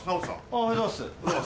おはようございます。